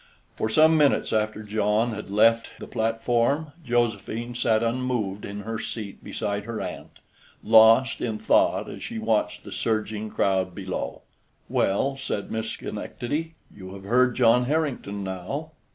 For some minutes after John had left the platform, Josephine sat unmoved in her seat beside her aunt, lost in thought as she watched the surging crowd below. "Well," said Miss Schenectady, "you have heard John Harrington now."